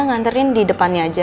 hantarin di depannya saja